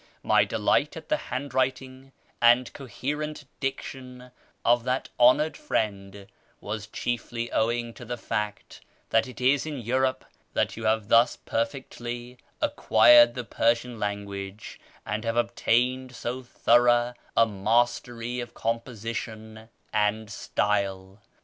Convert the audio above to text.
My delight at the handwriting and coherent diction of that honoured friend was chiefly owing to the fact that it is in Europe that you have thus perfectly acquired the Persian language, and have obtained so thorough a mastery of composition and style.